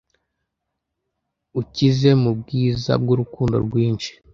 ukize mubwiza kubwurukundo rwinshi